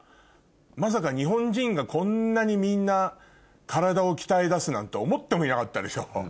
まさか日本人がこんなにみんな体を鍛えだすなんて思ってもいなかったでしょ？